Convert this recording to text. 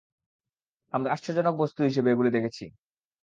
আমরা আশ্চর্যজনক বস্তু হিসেবে এগুলো দেখছি।